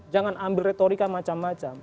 jangan ambil retorika macam macam